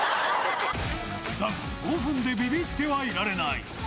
だが、５分でびびってはいられない。